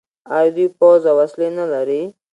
آیا دوی پوځ او وسلې نلري؟